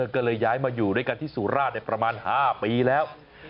ก็เลยย้ายมาอยู่ด้วยกันที่สุราชประมาณ๕ปีแล้ว